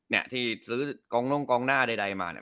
นี่ที่ซื้อกรองนุ่งกรองหน้าใดมานี่